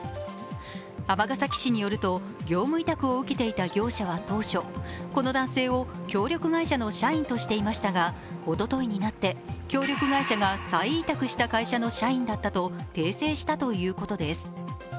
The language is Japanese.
尼崎市によると、業務委託を受けていた業者は当初、この男性を協力会社の社員としていましたがおとといになって、協力会社が再委託した会社の社員だったと訂正したということです。